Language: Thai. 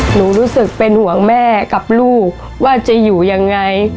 รู้สึกเป็นห่วงแม่กับลูกว่าจะอยู่ยังไง